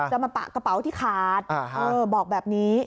จะมาปะกระเป๋าที่ขาดบอกแบบนี้